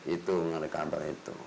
itu ngelakar itu